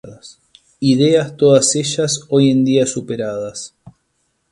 Ideas todas ellas hoy en día superadas.